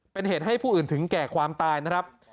เป็นเหตุให้ผู้อื่นถึงแก่ความตายนะครับ